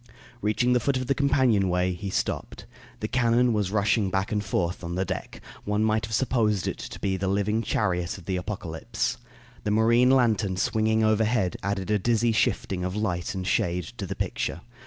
Reaching the foot of the companion way, he stopped. The cannon was rushing back and forth on the deck. One might have supposed it to be the living chariot of the Apocalypse. The marine lantern swinging overhead added a dizzy shifting of light and shade to the picture.